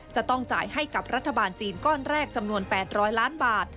จะต้องจ่ายให้กับรัฐบาลจีนก้อนแรกจำนวน๘๐๐ล้านบาท